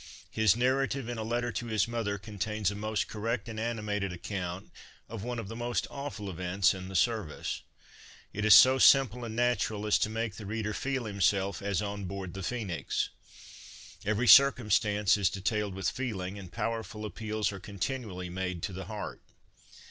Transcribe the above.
His narrative in a letter to his mother, contains a most correct and animated account of one of the most awful events in the service. It is so simple and natural as to make the reader feel himself as on board the Phoenix. Every circumstance is detailed with feeling, and powerful appeals are continually made to the heart.